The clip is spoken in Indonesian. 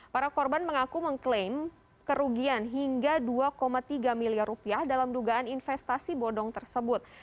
para korban mengaku mengklaim kerugian hingga dua tiga miliar rupiah dalam dugaan investasi bodong tersebut